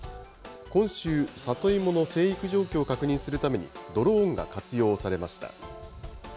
今週、里芋の生育状況を確認するために、ドローンが活用されました。